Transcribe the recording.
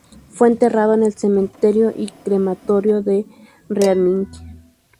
Fue enterrado en el Cementerio y Crematorio de Reading.